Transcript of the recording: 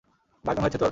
বাগদান হয়েছে তোর?